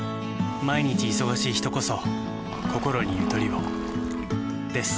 毎日忙しい人こそこころにゆとりをです。